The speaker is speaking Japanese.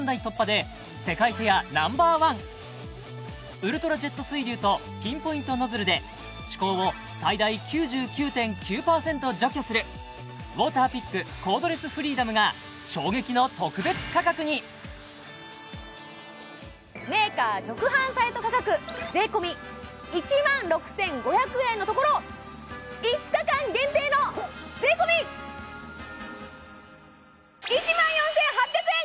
ウルトラジェット水流とピンポイントノズルでウォーターピックコードレスフリーダムが衝撃のメーカー直販サイト価格税込１万６５００円のところ５日間限定の税込１万４８００円！